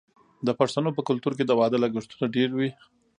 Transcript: د پښتنو په کلتور کې د واده لګښتونه ډیر وي.